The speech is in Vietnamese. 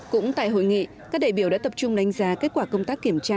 cũng tại hội nghị các đại biểu đã tập trung đánh giá kết quả công tác kiểm tra